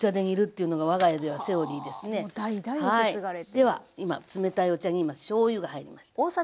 では今冷たいお茶に今しょうゆが入りました。